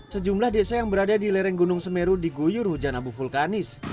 sejumlah desa yang berada di lereng gunung semeru diguyur hujan abu vulkanis